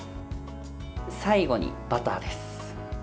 最後にバターです。